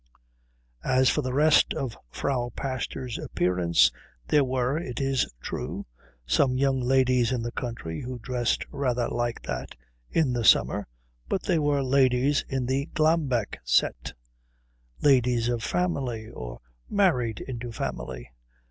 As for the rest of the Frau Pastor's appearance there were, it is true, some young ladies in the country who dressed rather like that in the summer, but they were ladies in the Glambeck set, ladies of family or married into family.